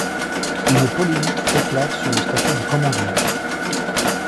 Une polémique éclate sur le statut du Commandement.